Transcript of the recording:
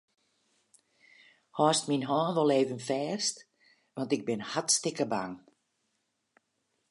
Hâldst myn hân wol even fêst, want ik bin hartstikke bang.